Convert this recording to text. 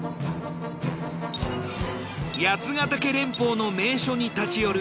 八ヶ岳連峰の名所に立ち寄る